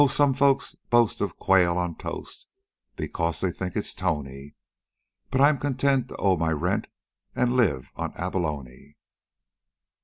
some folks boast of quail on toast, Because they think it's tony; But I'm content to owe my rent And live on abalone.